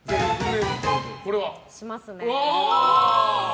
しますね。